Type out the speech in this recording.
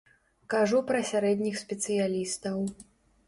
Кажу пра сярэдніх спецыялістаў.